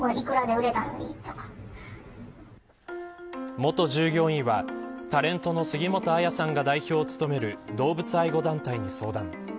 元従業員はタレントの杉本彩さんが代表を務める動物愛護団体に相談。